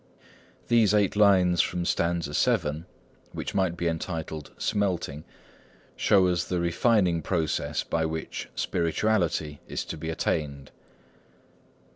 These eight lines from stanza vii, which might be entitled "Smelting," show us the refining process by which spirituality is to be attained.